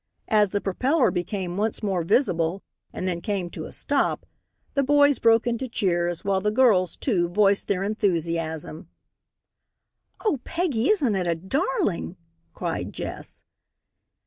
As the propeller became once more visible and then came to a stop, the boys broke into cheers, while the girls, too, voiced their enthusiasm. "Oh, Peggy, isn't it a darling!" cried Jess.